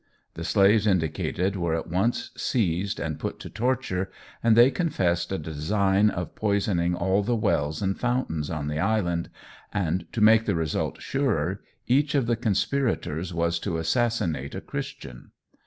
The slaves indicated were at once seized and put to torture, and they confessed a design of poisoning all the wells and fountains on the island, and to make the result surer, each of the conspirators was to assassinate a Christian.